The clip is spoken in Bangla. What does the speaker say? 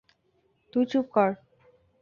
তুই চুপ কর!